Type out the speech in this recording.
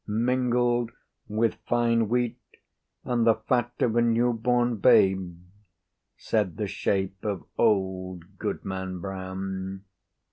"Mingled with fine wheat and the fat of a new born babe," said the shape of old Goodman Brown.